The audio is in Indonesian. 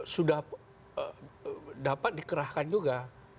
sudah dapat dikerahkan juga